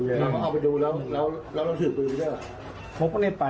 เอาไปดูแล้วเราถือปืนหรือเปล่า